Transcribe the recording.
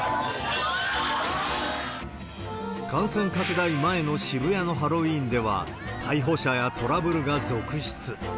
感染拡大前の渋谷のハロウィーンでは、逮捕者やトラブルが続出。